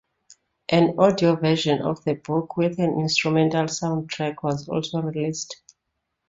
An audio version of the book with an instrumental soundtrack was also released.